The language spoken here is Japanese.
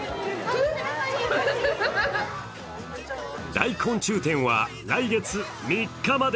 大昆虫展は来月３日まで。